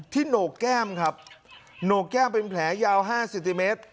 โหนกแก้มครับโหนกแก้มเป็นแผลยาว๕เซนติเมตร